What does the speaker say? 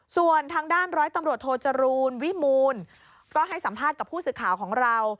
ส่วนทางด้านร้อยตำรวจโทจรูลวิมูลก็ให้สัมภาษณ์กับผู้สื่อข่าวของเรา